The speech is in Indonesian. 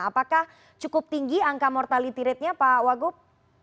apakah cukup tinggi angka mortality ratenya pak wagub